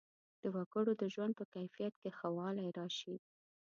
د وګړو د ژوند په کیفیت کې ښه والی راشي.